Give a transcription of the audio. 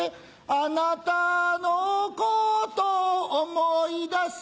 あなたのことを思い出す